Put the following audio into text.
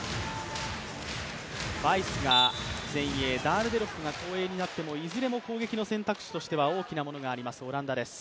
バイスが前衛、ダールデロップが後衛になってもいずれも攻撃の選択肢としては大きなものがあるオランダです。